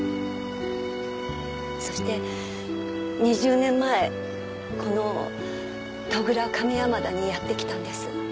そして２０年前この戸倉上山田にやって来たんです。